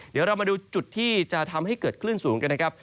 เดี๋ยวเรามาดูจุดที่จะทำให้เกิดคลื่นสูงกันนะครับ